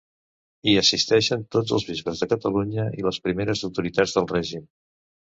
Hi assistiren tots els bisbes de Catalunya i les primeres autoritats del règim.